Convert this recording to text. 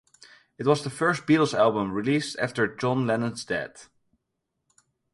It was the first Beatles album released after John Lennon's death.